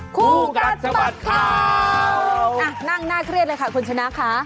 คู่กัดสะบัดข่าวอ่ะนั่งน่าเครียดเลยค่ะคุณชนะค่ะ